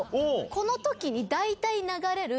この時に大体流れる。